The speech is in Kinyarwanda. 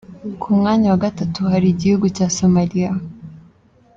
Ku mwanya wa gatatu hari igihugu cya Somalia.